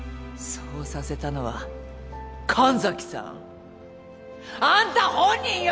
そうさせたのは神崎さんあんた本人よ！